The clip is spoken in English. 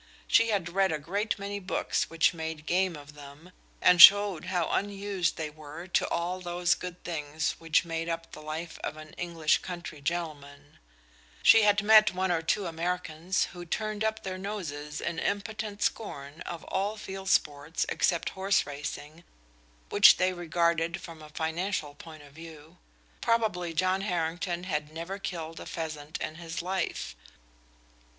She had read a great many books which made game of them, and showed how unused they were to all those good things which make up the life of an English country gentleman; she had met one or two Americans who turned up their noses in impotent scorn of all field sports except horse racing, which they regarded from a financial point of view. Probably John Harrington had never killed a pheasant in his life.